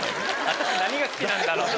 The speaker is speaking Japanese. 「私何が好きなんだろう？」。